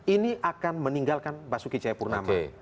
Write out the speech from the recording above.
ini akan meninggalkan basuki cahayapurnama